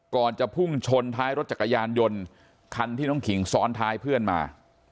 จะพุ่งชนท้ายรถจักรยานยนต์คันที่น้องขิงซ้อนท้ายเพื่อนมา